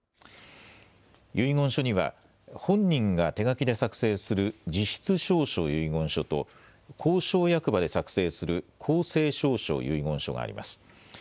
遺言書には本人が手書きで作成する自筆証書遺言書と公証役場で作成する公正証書遺言書があります。